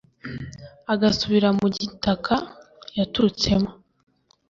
agasubira mu gitaka yaturutsemo